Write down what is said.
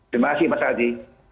terima kasih mas adi